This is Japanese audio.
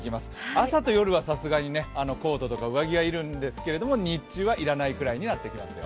朝と夜はさすがにコートとか上着が要るんですが日中は要らないくらいになってきますよ。